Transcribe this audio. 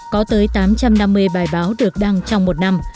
có tới tám trăm năm mươi bài báo được đăng trong một năm